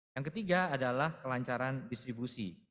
yang ketiga adalah kelancaran distribusi